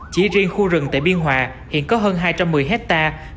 chỉ riêng khu rừng tại biên hòa hiện có hơn hai trăm một mươi hectare